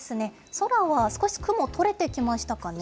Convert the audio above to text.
空は少し雲、取れてきましたかね。